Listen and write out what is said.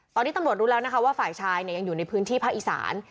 ตอนนี้ตำรวจรู้แล้วนะคะว่าฝ่ายชายยังอยู่ในพื้นที่ภาคอีสาน